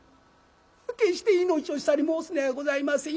決して命惜しさに申すのやございません。